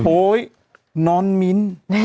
โอ๊ยนอนมิ้น